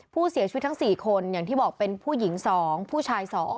ผู้เสียชีวิตทั้ง๔คนอย่างที่บอกเป็นผู้หญิง๒ผู้ชาย๒